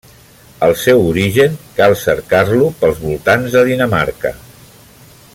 El seu origen cal cercar-lo pels voltants de Dinamarca.